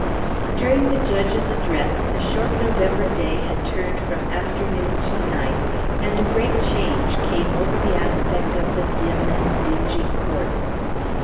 During the judge's address the short November day had turned from afternoon to night, and a great change had come over the aspect of the dim and dingy court.